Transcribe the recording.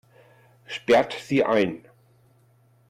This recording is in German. Sperrt sie ein!